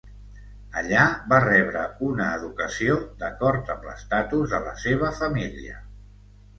Allà va rebre una educació d'acord amb l'estatus de la seva família.